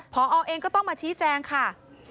พอเองก็ต้องมาชี้แจงค่ะ